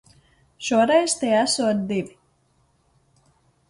Šoreiz tie esot divi.